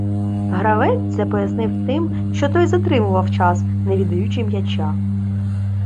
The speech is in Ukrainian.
Гравець це пояснив тим, що той затримував час, не віддаючи м'яча.